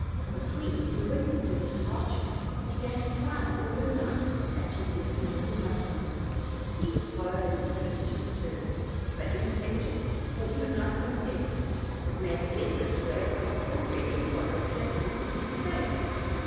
The queen, who witnessed his departure, began to cry with all her might that she wanted her little husband; he was followed and entreated to return, but ineffectually, for he would not consent; but made the best of his way from a court where everybody appeared to him to be insane.